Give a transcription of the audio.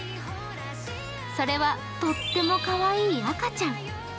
それはとってもかわいい赤ちゃん。